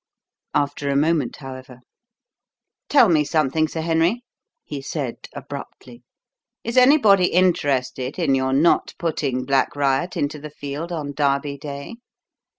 After a moment, however: "Tell me something, Sir Henry," he said abruptly. "Is anybody interested in your not putting Black Riot into the field on Derby Day?